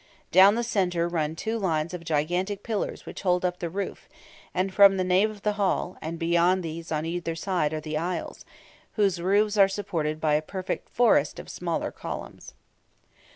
Down the centre run two lines of gigantic pillars which hold up the roof, and form the nave of the hall; and beyond these on either side are the aisles, whose roofs are supported by a perfect forest of smaller columns.